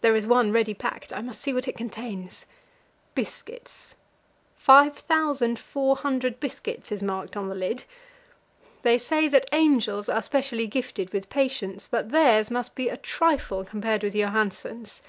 There is one ready packed; I must see what it contains. Biscuits 5,400 biscuits is marked on the lid. They say that angels are specially gifted with patience, but theirs must be a trifle compared with Johansen's.